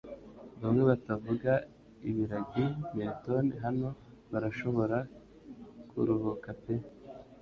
Bamwe batavuga ibiragi Milton hano barashobora kuruhuka pe